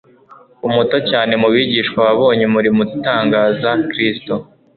Umuto cyane mu bigishwa wabonye umurimo utangaza Kristo